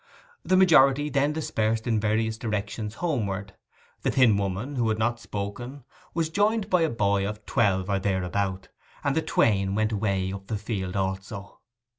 The majority then dispersed in various directions homeward. The thin woman who had not spoken was joined by a boy of twelve or thereabout, and the twain went away up the field also.